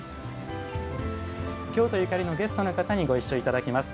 京都ゆかりのゲストの方にご一緒いただきます。